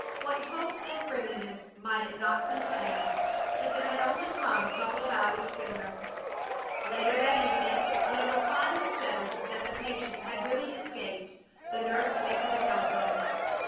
What hope and friendliness might it not contain! If it had only come a couple of hours sooner! Later that evening, when it was finally settled that the patient had really escaped, the nurse went to the telephone.